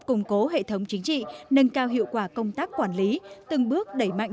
củng cố hệ thống chính trị nâng cao hiệu quả công tác quản lý từng bước đẩy mạnh